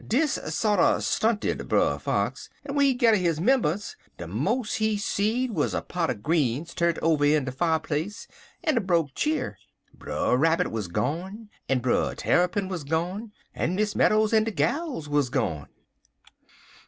Dis sorter stunted Brer Fox, en w'en he gedder his 'membunce de mos' he seed wuz a pot er greens turnt over in de fireplace, en a broke cheer. Brer Rabbit wuz gone, en Brer Tarrypin wuz gone, en Miss Meadows en de gals wuz gone.